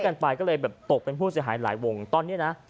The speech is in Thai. กันไปก็เลยแบบตกเป็นผู้เสียหายหลายวงตอนนี้นะ